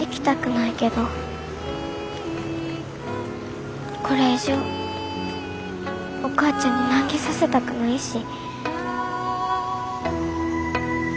行きたくないけどこれ以上お母ちゃんに難儀させたくないし。